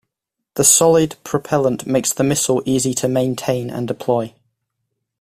The solid propellant makes the missile easy to maintain and deploy.